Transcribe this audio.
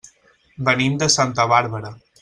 Venim de Santa Bàrbara.